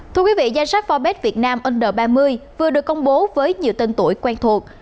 thưa quý vị danh sách forbes việt nam ind ba mươi vừa được công bố với nhiều tên tuổi quen thuộc